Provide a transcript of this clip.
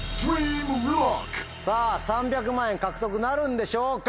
さぁ３００万円獲得なるんでしょうか？